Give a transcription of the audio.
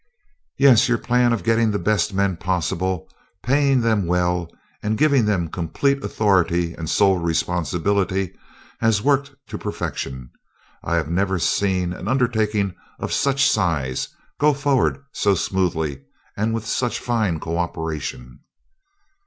"Yes; your plan of getting the best men possible, paying them well, and giving them complete authority and sole responsibility, has worked to perfection. I have never seen an undertaking of such size go forward so smoothly and with such fine co operation."